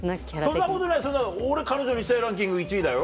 そんなことない俺彼女にしたいランキング１位だよ。